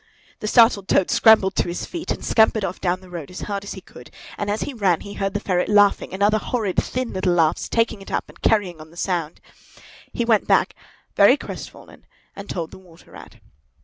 The startled Toad scrambled to his feet and scampered off down the road as hard as he could; and as he ran he heard the ferret laughing and other horrid thin little laughs taking it up and carrying on the sound. He went back, very crestfallen, and told the Water Rat.